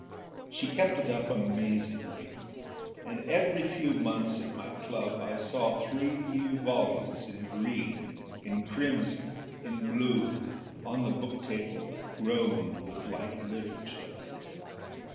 She kept it up amazingly, and every few months, at my club, I saw three new volumes, in green, in crimson, in blue, on the book table that groaned with light literature.